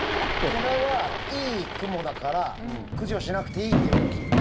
これはいいクモだから駆除しなくていいってよく聞く。